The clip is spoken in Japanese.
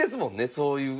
そういう。